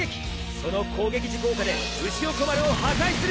その攻撃時効果でうしおこまるを破壊する！